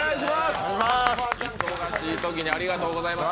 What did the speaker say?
忙しいときにありがとうございます。